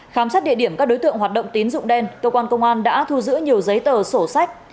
khám xét địa điểm các đối tượng hoạt động tín dụng đen cơ quan công an đã thu giữ nhiều giấy tờ sổ sách